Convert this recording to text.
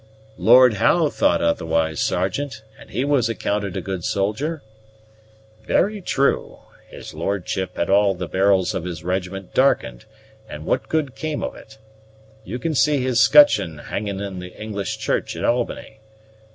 "Lord Howe thought otherwise, Sergeant; and he was accounted a good soldier." "Very true; his lordship had all the barrels of his regiment darkened, and what good came of it? You can see his 'scutcheon hanging in the English church at Albany.